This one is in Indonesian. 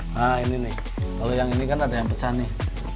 nah ini nih kalau yang ini kan ada yang pecah nih